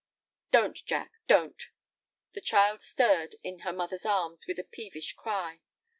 "Don't, Jack, don't—" The child stirred in her mother's arms with a peevish cry.